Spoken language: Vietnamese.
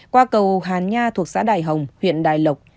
qua cầu hà nha thuộc xã đại hồng huyện đại lộc